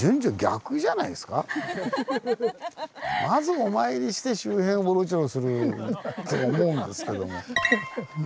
まずお参りして周辺をウロチョロすると思うんですけども。